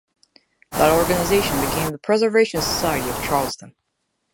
That organization became the Preservation Society of Charleston.